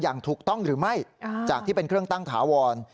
อย่างถูกต้องหรือไม่จากที่เป็นเครื่องตั้งถาวร